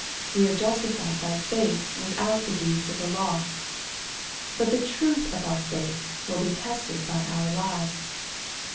We are justified by faith with out the deeds of the law. But the truth of our faith will be tested by our lives.